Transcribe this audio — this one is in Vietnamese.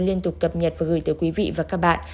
liên tục cập nhật và gửi tới quý vị và các bạn